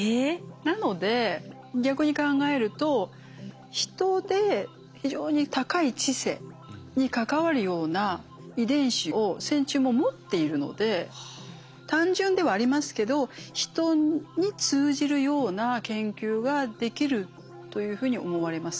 なので逆に考えるとヒトで非常に高い知性に関わるような遺伝子を線虫も持っているので単純ではありますけどヒトに通じるような研究ができるというふうに思われます。